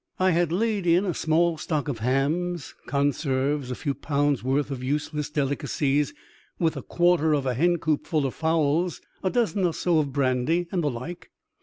I had laid in a small stock of hams, conserves, a few pounds' worth of useless delicacies, with a quarter of a hencoop full of fowls, a dozen or so of brandy, and the like.